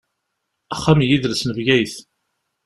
Axxam n yidles n Bgayet.